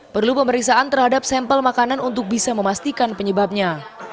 perlu pemeriksaan terhadap sampel makanan untuk bisa memastikan penyebabnya